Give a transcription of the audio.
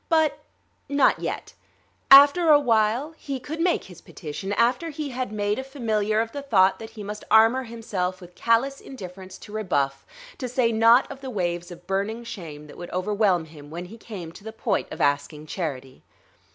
But ... not yet; after a while he could make his petition, after he had made a familiar of the thought that he must armor himself with callous indifference to rebuff, to say naught of the waves of burning shame that would overwhelm him when he came to the point of asking charity.